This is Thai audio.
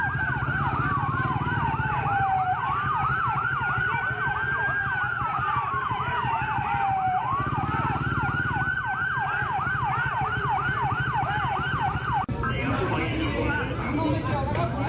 เชิญที่หน้าล่างยัง็เป็นอิ่มขอบคุณค่ะ